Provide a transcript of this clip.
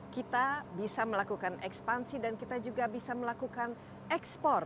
kita bisa melakukan ekspansi dan kita juga bisa melakukan ekspor